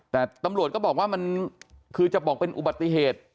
แต่ตำรวจก็บอกว่ามันคือจะบอกเป็นอุบัติเหตุ